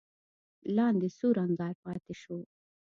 لاندې سور انګار پاتې شو.